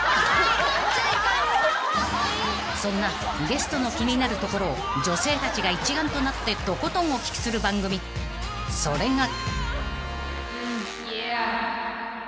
［そんなゲストの気になるところを女性たちが一丸となってとことんお聞きする番組それが］